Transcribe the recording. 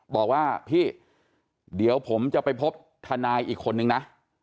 บอกว่าพี่เดี๋ยวผมจะไปพบทนายอีกคนนึงนะ